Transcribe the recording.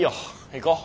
行こう。